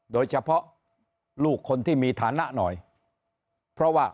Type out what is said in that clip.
โดยเฉพาะลูกคนที่มีฐานะหน่อยเพราะว่า